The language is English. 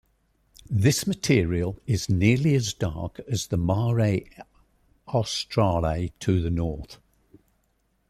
This material is nearly as dark as the Mare Australe to the north.